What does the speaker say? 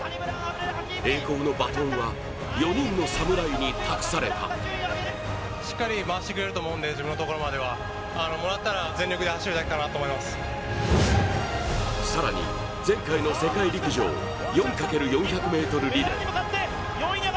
栄光のバトンは４人の侍に託された更に前回の世界陸上４×４００ｍリレー。